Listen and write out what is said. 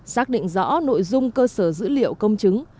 xác định rõ nội dung cơ sở dữ liệu công chứng